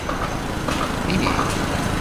羊牯事發後「每一晚都瞓唔到」。